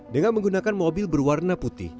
dengan menggunakan mobil berwarna putih